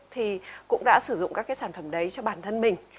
thì cũng đã sử dụng các cái sản phẩm đấy cho bản thân mình